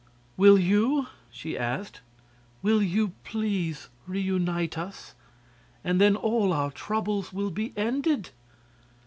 "Will you?" she asked. "Will you please reunite us? And then all our troubles will be ended!"